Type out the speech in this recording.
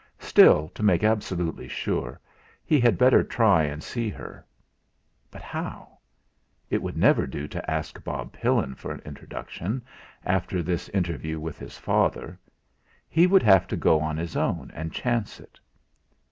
Still, to make absolutely sure, he had better try and see her. But how? It would never do to ask Bob Pillin for an introduction, after this interview with his father. He would have to go on his own and chance it.